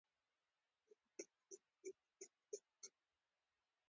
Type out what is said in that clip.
چارو د اخیستلو لپاره.